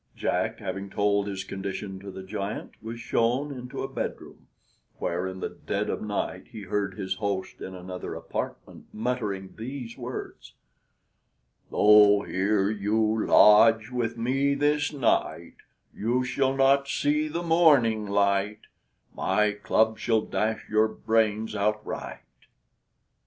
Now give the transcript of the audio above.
Jack, having told his condition to the giant, was shown into a bedroom, where, in the dead of night, he heard his host in another apartment muttering these words: "Though here you lodge with me this night, You shall not see the morning light: My club shall dash your brains outright!"